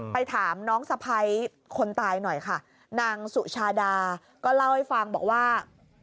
ไปถามน้องสะพ้ายคนตายหน่อยค่ะนางสุชาดาก็เล่าให้ฟังบอกว่า